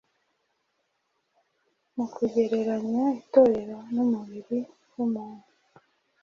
Mu kugereranya itorero n’umubiri w’umuntu,